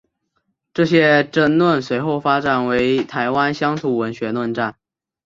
这些争论随后发展为台湾乡土文学论战。